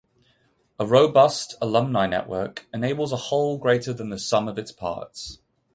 A robust alumni network enables a whole greater than the sum of its parts.